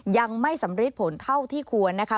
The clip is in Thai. ยังไม่สำริดผลเท่าที่ควรนะคะ